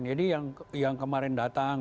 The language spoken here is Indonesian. jadi yang kemarin datang